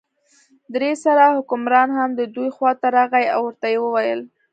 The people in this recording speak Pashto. دې سره حکمران هم د دوی خواته راغی او ورته یې وویل.